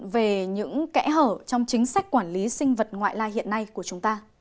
về những kẽ hở trong chính sách quản lý sinh vật ngoại lai hiện nay của chúng ta